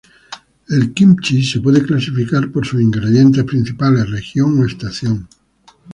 El "kimchi" se puede clasificar por sus ingredientes principales, región o estación.